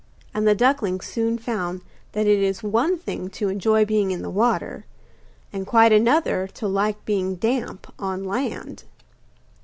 And the duckling soon found that it is one thing to enjoy being in the water, and quite another to like being damp on land.